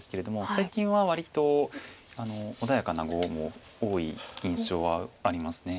最近は割と穏やかな碁も多い印象はあります。